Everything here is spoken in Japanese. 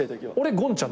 ゴンちゃん。